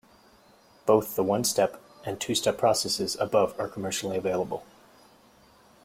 Both the one-step and two-step processes above are commercially available.